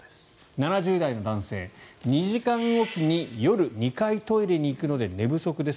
７０代の男性、２時間おきに夜２回トイレに行くので寝不足です。